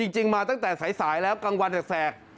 จริงมาตั้งแต่สายแล้วกลางวันแสก